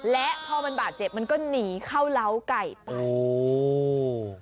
และพอมันบาดเจ็บมันก็หนีเข้าเล้าไก่ไปโอ้